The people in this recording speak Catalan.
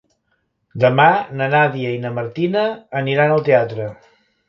Demà na Nàdia i na Martina aniran al teatre.